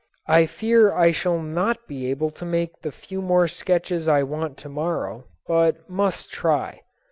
I fear I shall not be able to make the few more sketches I want to morrow, but must try.